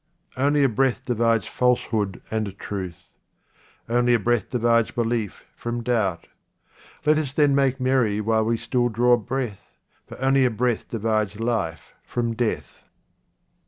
Only a breath divides falsehood and truth. Only a breath divides belief from doubt. Let us then make merry while we still draw breath, for only a breath divides life from death.